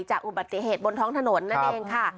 จากอุบัติเหตุบนท้องถนนนั่นเองค่ะ